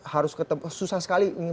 harus susah sekali